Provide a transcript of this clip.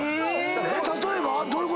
例えば？どういうこと？